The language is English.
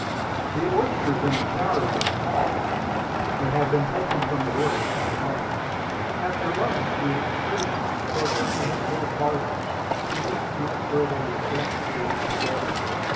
The oysters in the chowder were small, but had been taken from the water that morning. After the lunch the excursionists broke up into little parties, and each went where they were best pleased to go.